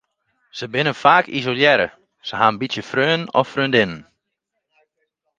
Se binne faak isolearre, se ha in bytsje freonen of freondinnen.